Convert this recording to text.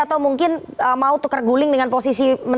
atau mungkin mau tukar guling dengan bapak presiden